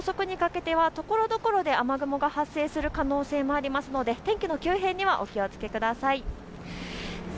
関東、夜遅くにかけてはところどころで雨雲が発生する可能性もありますので天気の急変にはお気を付けください。